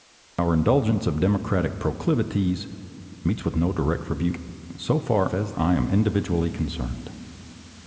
Our indulgence of democratic proclivities meets with no direct rebuke, so far as I am individually concerned.